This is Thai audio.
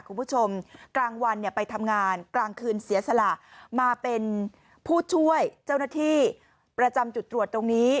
คุณผู้ชมกลางวันเนี่ยไปทำงานกลางคืนเสียสละมาเป็นผู้ช่วยเจ้าหน้าที่ประจำจุดตรวจตรงนี้